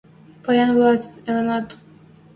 – Паянвлӓ ылытат?!